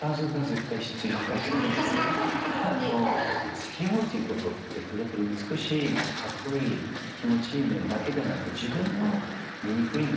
つきあうっていうことってやっぱり美しいかっこいい気持ちいい面だけではなくて自分の醜い面だとか全部見える